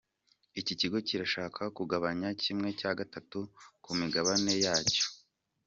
Iki kigo kirashaka kugabanya kimwe cya gatatu ku migabane yacyo.